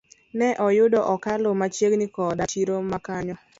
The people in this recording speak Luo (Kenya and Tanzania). Ne oyudo okalo machiegni koda chiro ma kanyo.